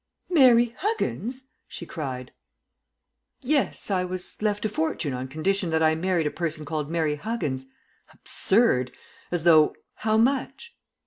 "Mary Huggins?" she cried. "Yes, I was left a fortune on condition that I married a person called Mary Huggins. Absurd! As though " "How much?"